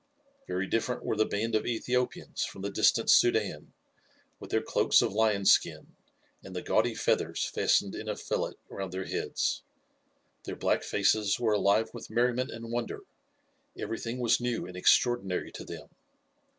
Very different were the band of Ethiopians from the distant Soudan, with their cloaks of lion skin, and the gaudy feathers fastened in a fillet round their heads. Their black faces were alive with merriment and wonder everything was new and extraordinary to them.